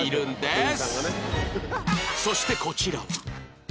そしてこちらは